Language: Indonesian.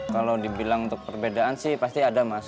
kalau dibilang untuk perbedaan sih pasti ada mas